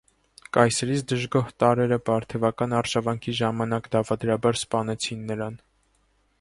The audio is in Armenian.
Կայսրից դժգոհ տարրերը պարթևական արշավանքի ժամանակ դավադրաբար սպանեցին նրան։